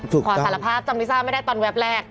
ขอสารภาพจำลิซ่าไม่ได้ตอนแป๊บแรก